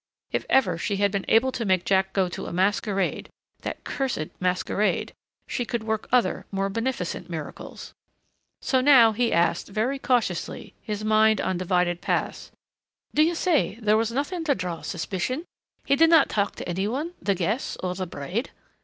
If ever she had been able to make Jack go to a masquerade that cursed masquerade! she could work other, more beneficent, miracles. So now he asked, very cautiously, his mind on divided paths, "Do you say there was nothing to draw suspicion he did not talk to any one, the guests or the bride